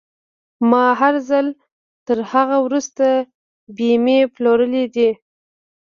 ما هر ځل تر هغه وروسته بيمې پلورلې دي.